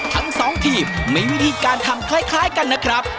ทั้งสองทีมมีวิธีการทำคล้ายกันนะครับ